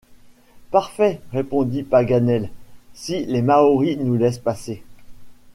Parfait, répondit Paganel, si les Maoris nous laissent passer.